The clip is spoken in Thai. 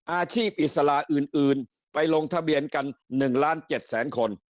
อาชีพอิสระอื่นไปลงทะเบียนกัน๑ล้าน๗แสนคน